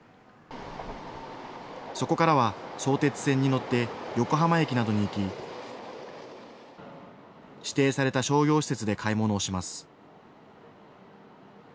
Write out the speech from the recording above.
そこからは相鉄線に乗って横浜駅などに行き、指定された商業施設で買い物をします。